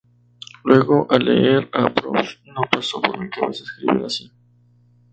Luego, al leer a Proust, no pasó por mi cabeza escribir así.